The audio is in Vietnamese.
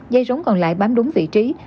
dây rốn còn lại bám đúng vị trí